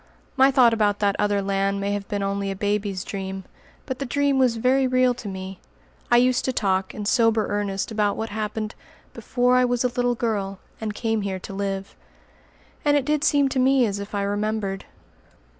My thought about that other land may have been only a baby's dream; but the dream was very real to me. I used to talk, in sober earnest, about what happened "before I was a little girl, and came here to live"; and it did seem to me as if I remembered.